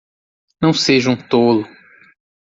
Não seja um tolo!